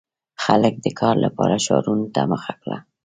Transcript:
• خلک د کار لپاره ښارونو ته مخه کړه.